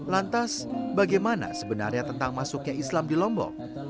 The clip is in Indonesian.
lantas bagaimana sebenarnya tentang masuknya islam di lombok